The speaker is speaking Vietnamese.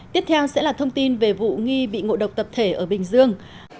tiếp theo sẽ là thông tin về vụ nghi bị ngộ độc tập thể ở bình dương